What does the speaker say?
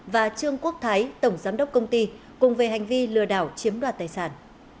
và trương quốc thái tổng giám đốc công ty cùng về hành vi lừa đảo chiếm đoạt tài sản